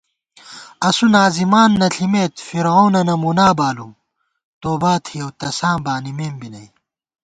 اسُو ناظمان نہ ݪِمېت فرعونَنہ مُنا بالُوم توباتِھیَؤ تساں بانِمېم بی نئ